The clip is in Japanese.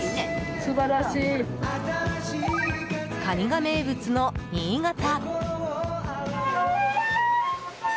カニが名物の新潟！